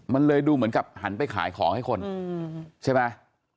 มันเลยดูเหมือนกับหันไปขายของให้คนใช่ไหม